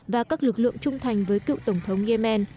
và các lực lượng trung thành với cựu tổng thống yemen